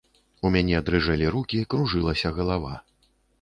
У мяне дрыжэлі рукі, кружылася галава.